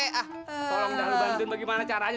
tolong dah lu bantuin bagaimana caranya